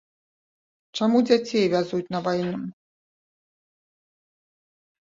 Чаму дзяцей вязуць на вайну?